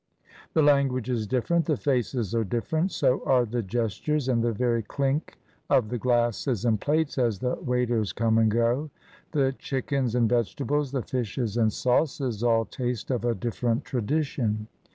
The language is different, the faces are different, so are the gestures and the very clink of the glasses and plates as the waiters come and go. The chickens and vegetables, the fishes and sauces all taste of a different tradition.